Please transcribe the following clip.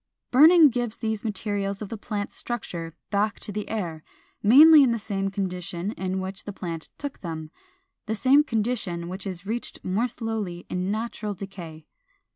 Burning gives these materials of the plant's structure back to the air, mainly in the same condition in which the plant took them, the same condition which is reached more slowly in natural decay.